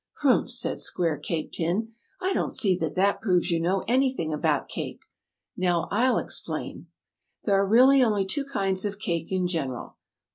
"Humph!" said Square Cake Tin, "I don't see that that proves you know anything about cake. Now I'll explain: "There are really only two kinds of cake in general: "1.